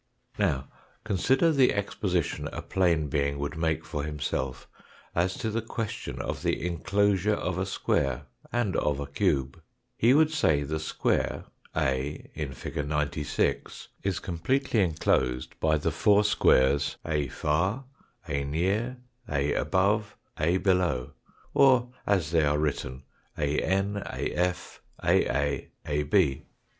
Now consider the exposition a plane being would make fttE SIMPLEST FOUfe fciMENSiOKAL SOLID 159 for himself as to the question of the enclosure of a square, and of a cube. He would say the square A, in Fig. 96, is completely enclosed by the four squares, A far, A near, A above, A below, or as they are written ATI, A/, Aa, Ab.